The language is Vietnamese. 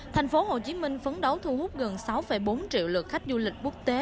thành phố hồ chí minh phấn đấu thu hút gần sáu bốn triệu lượt khách du lịch quốc tế